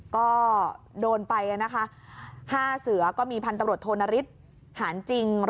ก็โดนไปนะครับห้าเสือก็มีพันธุ์ตำรวจโถนทริดหารีนจ